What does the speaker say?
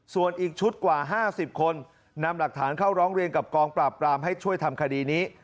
ส่วนอีกชุดกว่า๕๐คนนำหลักฐานเข้าร้องเรียนกับกองปราบปรามให้ช่วยทำคดีนี้